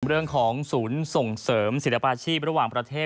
เรื่องของศูนย์ส่งเสริมศิลปาชีพระหว่างประเทศ